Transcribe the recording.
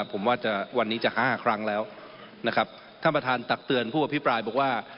ผมว่าจะวันนี้จะห้าครั้งแล้วนะครับท่านประธานตักเตือนผู้อภิปรายบอกว่า